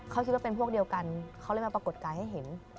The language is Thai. เขาคิดว่าเป็นพวกเดียวกันเขาเลยมาปรากฏกายให้เห็น